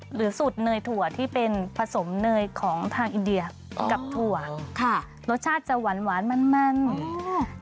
หรือสูตรเนยถั่วที่เป็นผสมเนยของทางอินเดียกับถั่วค่ะรสชาติจะหวานหวานมันมันอืม